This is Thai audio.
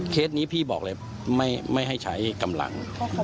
นี้พี่บอกเลยไม่ให้ใช้กำลัง